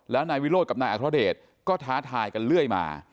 แล้วนายวิโรธกับนายอัครเดชก็ท้าทายกันเรื่อยมา